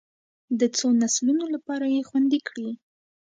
د څو نسلونو لپاره یې خوندي کړي.